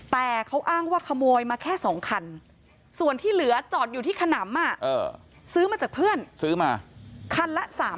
แต่เขาอ้างว่าขโมยมาแค่๒คัน